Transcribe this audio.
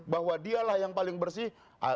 bahwa dialah yang paling bersih